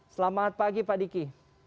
selamat pagi pak diki